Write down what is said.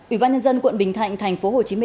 ủy ban nhân dân quận bình thạnh tp hcm